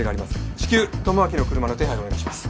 至急智明の車の手配をお願いします。